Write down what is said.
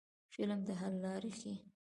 فلم د حل لارې ښيي